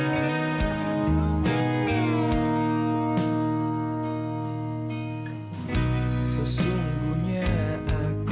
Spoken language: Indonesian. ya udah deh